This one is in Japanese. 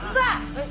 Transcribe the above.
はい。